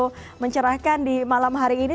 terima kasih juga untuk mencerahkan di malam hari ini